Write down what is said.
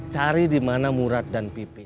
cari dimana murad dan pipi